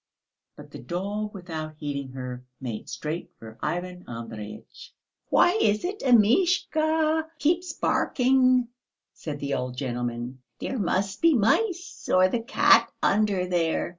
But the dog, without heeding her, made straight for Ivan Andreyitch. "Why is it Amishka keeps barking?" said the old gentleman. "There must be mice or the cat under there.